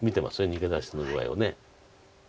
逃げ出しの具合を。